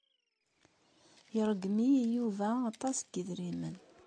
Iṛeggem-iyi Yuba aṭas n yedrimen.